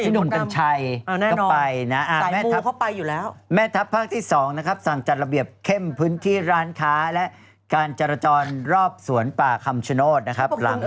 หนุ่มกัญชัยก็ไปนะแม่ทัพภาคที่๒นะครับสั่งจัดระเบียบเข้มพื้นที่ร้านค้าและการจรจรรอบสวนป่าคำชโนธนะครับ